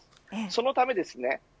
そのためですね。